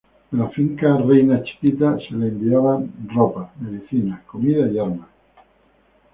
De la finca Reina Chiquita se le enviaban ropas, medicinas, comida y armas.